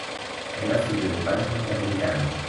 Era fillo de pais norteamericanos.